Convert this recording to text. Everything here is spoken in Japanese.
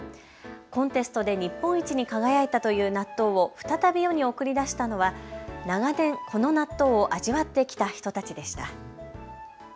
コンテストで日本一に輝いたと納豆を再び世に送り出したのは長年、この納豆を味わってきた人たちでした。